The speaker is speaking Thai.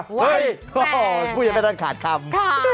เฮ้ยพูดยังไม่ทันขาดคำ